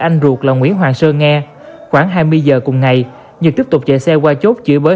anh ruột là nguyễn hoàng sơn nghe khoảng hai mươi giờ cùng ngày nhật tiếp tục chạy xe qua chốt chửi bới